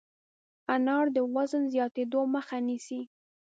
انار د وزن زیاتېدو مخه نیسي.